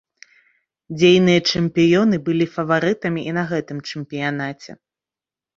Дзейныя чэмпіёны былі фаварытамі і на гэтым чэмпіянаце.